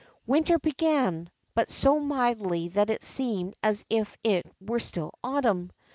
Winter began ; but so mildly that it seemed as if it were still autumn.